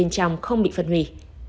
bên trong không bị phân hủy